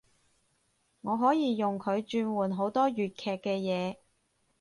我可以用佢轉換好多粵劇嘅嘢